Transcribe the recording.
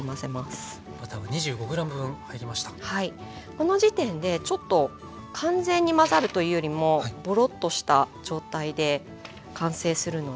この時点でちょっと完全に混ざるというよりもボロッとした状態で完成するので。